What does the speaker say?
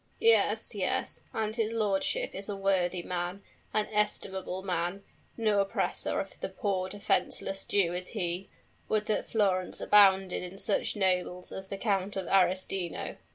"Yes, yes; and his lordship is a worthy man an estimable man. No oppressor of the poor defenseless Jew is he! Would that Florence abounded in such nobles as the Count of Arestino!"